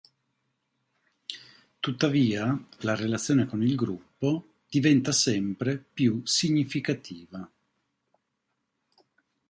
Tuttavia la relazione con il gruppo diventa sempre più significativa.